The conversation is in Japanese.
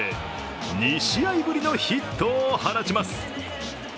２試合ぶりのヒットを放ちます。